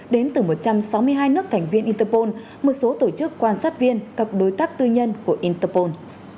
đến từ một trăm sáu mươi hai nước thành viên interpol một số tổ chức quan sát viên các đối tác tư nhân của interpol